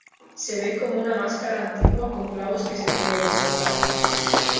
Se ve como una máscara antigua con clavos que se pueden insertar.